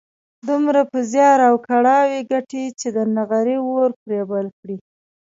دومره په زيار او کړاو ګټي چې د نغري اور پرې بل کړي.